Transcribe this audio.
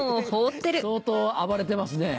相当暴れてますね。